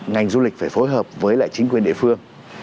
ngành du lịch phải phối hợp với lại chính quyền địa phương